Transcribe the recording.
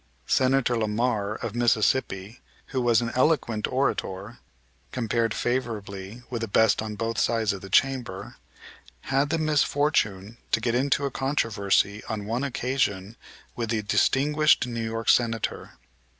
Senator Lamar, of Mississippi, who as an eloquent orator compared favorably with the best on both sides of the Chamber, had the misfortune to get into a controversy on one occasion with the distinguished New York Senator.